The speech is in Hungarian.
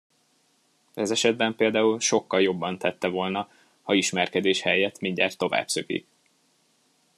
Ez esetben például sokkal jobban tette volna, ha ismerkedés helyett mindjárt továbbszökik.